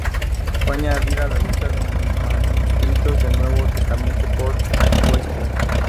Fue añadida a la lista de manuscritos del Nuevo Testamento por J. J. Wettstein.